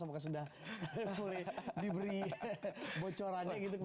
apakah sudah boleh diberi bocorannya gitu ke indonesia